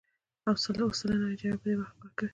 اوه سلنه انجینران په دې برخه کې کار کوي.